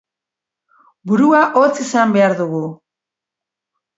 Burua hotz izan behar dugu.